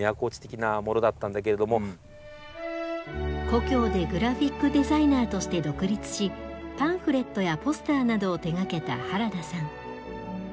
故郷でグラフィックデザイナーとして独立しパンフレットやポスターなどを手がけた原田さん。